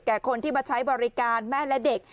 คนที่มาใช้บริการแม่และเด็ก